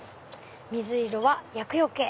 水色は厄よけ。